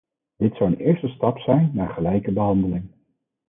Dit zou een eerste stap zijn naar gelijke behandeling.